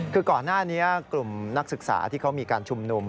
คือก่อนหน้านี้กลุ่มนักศึกษาที่เขามีการชุมนุม